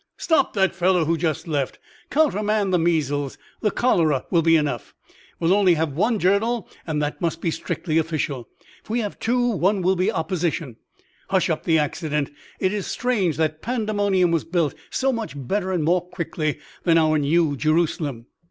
"Stop that fellow who just left; countermand the measles, the cholera will be enough; we will only have one journal, and that must be strictly official. If we have two, one will be opposition. Hush up the accident. It is strange that Pandemonium was built so much better and more quickly than our New Jerusalem!"